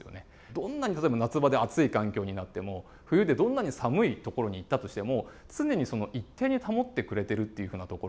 どんなに例えば夏場で暑い環境になっても冬でどんなに寒い所に行ったとしても常に一定に保ってくれてるっていうふうなところ。